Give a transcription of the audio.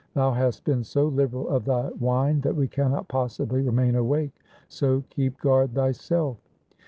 Thou hast been so liberal of thy wine, that we cannot possibly remain awake, so keep guard thyself.'